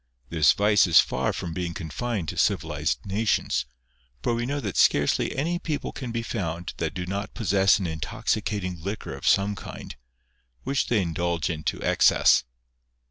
This vice is far from being confined to civilised nations, for we know that scarcely any people can be found that do not possess an intoxicating liquor of some kind, which they indulge in to excess.